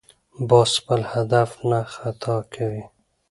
باز خپل هدف نه خطا کوي